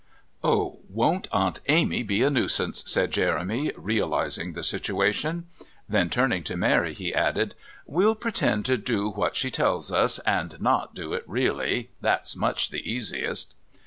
"Oh, won't Aunt Amy be a nuisance," said Jeremy, realising the situation. Then turning to Mary he added: "We'll pretend to do what she tells us and not do it really. That's much the easiest."